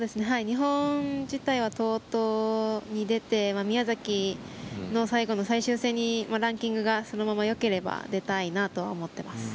日本自体は、ＴＯＴＯに出て宮崎の最後の最終戦にランキングがそのままよければ出たいなと思ってます。